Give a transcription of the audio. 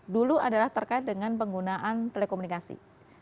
dulu adalah terkait dengan penggunaan telekomunikasi